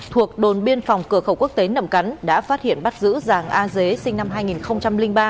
thuộc đồn biên phòng cửa khẩu quốc tế nậm cắn đã phát hiện bắt giữ giàng a dế sinh năm hai nghìn ba